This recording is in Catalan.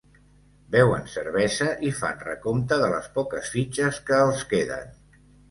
Beuen cervesa i fan recompte de les poques fitxes que els queden.